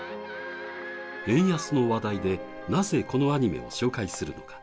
円安の話題で、なぜこのアニメを紹介するのか。